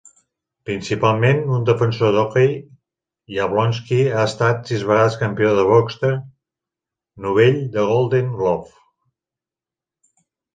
Principalment un defensor d'hoquei, Yablonski ha estat sis vegades campió de boxa novell dels Golden Gloves.